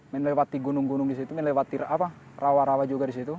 melewati gunung gunung di situ melewati rawa rawa juga di situ